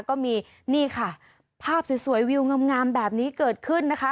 ก็มีนี่ค่ะภาพสวยวิวงามแบบนี้เกิดขึ้นนะคะ